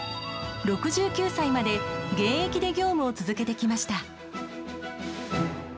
６９歳まで現役で業務を続けてきました。